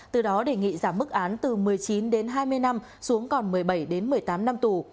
từ đó đề nghị giảm mức án từ một mươi chín đến hai mươi năm xuống còn một mươi bảy đến một mươi tám năm tù